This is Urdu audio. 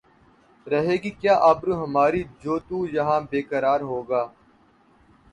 رہے گی کیا آبرو ہماری جو تو یہاں بے قرار ہوگا